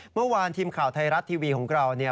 เมื่อวานทีมข่าวไทยรัฐทีวีของเราเนี่ย